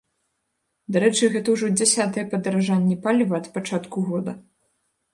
Дарэчы, гэта ўжо дзясятае падаражанне паліва ад пачатку года.